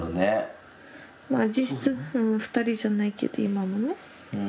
まあ実質２人じゃないけど今もね。